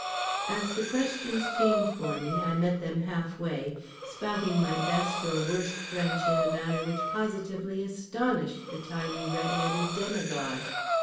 As the questions came for me I met them half way, spouting my best or worst French in a manner which positively astonished the tiny red headed demigod.